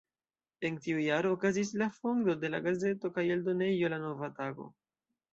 En tiu jaro okazis la fondo de la gazeto kaj eldonejo "La Nova Tago".